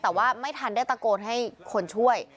แต่ว่าไม่ทันได้ตะโกนให้คนช่วย